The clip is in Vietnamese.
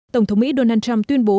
tổng thống mỹ donald trump tuyên bố